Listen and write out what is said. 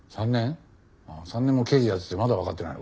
３年も刑事やっててまだわかってないのか。